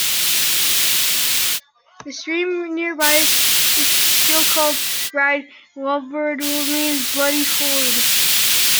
The stream nearby is still called Rhyd Waedlyd, which means 'Bloody Ford'.